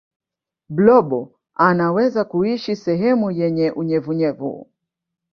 blobo anaweza kuishi sehemu yenye unyevunyevu